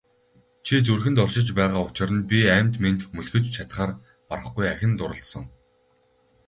Чи зүрхэнд оршиж байгаа учир би амьд мэнд мөлхөж чадахаар барахгүй ахин дурласан.